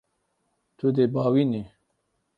Tu dê biavînî.